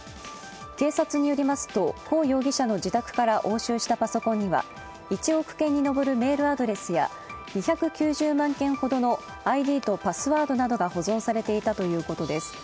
警察によりますと、胡容疑者の自宅から押収したパソコンには１億件に上るメールアドレスや２９０万件ほどのＩＤとパスワードなどが保存されていたということです。